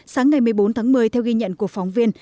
sáng ngày một mươi bốn tháng một mươi theo ghi nhận của phóng viên